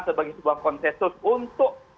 sebagai sebuah konsensus untuk